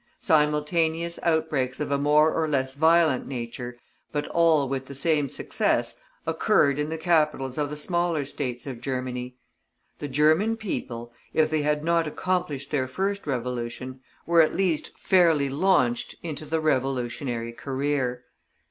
Simultaneous outbreaks of a more or less violent nature, but all with the same success, occurred in the capitals of the smaller States of Germany. The German people, if they had not accomplished their first revolution, were at least fairly launched into the revolutionary career.